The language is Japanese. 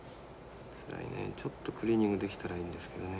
ちょっとクリーニングできたらいいんですけどね。